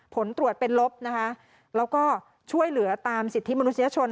ผลตรวจเป็นลบนะคะแล้วก็ช่วยเหลือตามสิทธิมนุษยชน